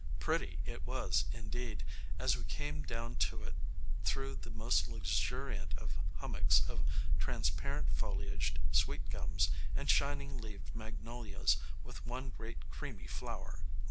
Pretty it was, indeed, as we came down to it through the most luxuriant of hummocks of transparent foliaged sweet gums and shining leaved magnolias with one great creamy flower.